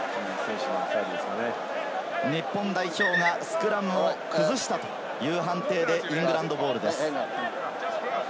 日本代表がスクラムを崩したという判定でイングランドボールです。